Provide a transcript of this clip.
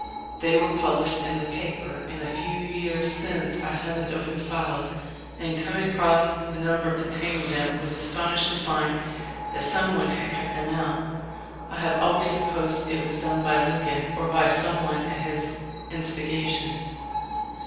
They were published in the paper, and a few years since I hunted over the files, and coming across the number containing them, was astonished to find that some one had cut them out. I have always supposed it was done by Lincoln or by some one at his instigation.